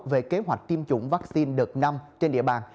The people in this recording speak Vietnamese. về kế hoạch tiêm chủng vaccine đợt năm trên địa bàn